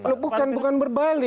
loh bukan bukan berbalik